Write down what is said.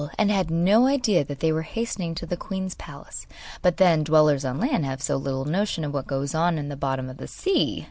and had no idea that they were hastening to the queen's palace; but, then, dwellers on land have so little notion of what goes on in the bottom of the sea!